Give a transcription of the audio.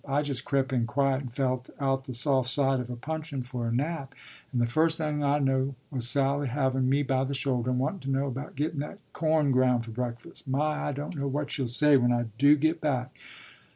I just crep' in quiet and felt out the soft side of a puncheon for a nap, and the firs' thing I know was Sally havin' me by the shoulder, and wantun' to know about gittun' that corn groun' for breakfas'. My! I don't know what she'll say, when I do git back.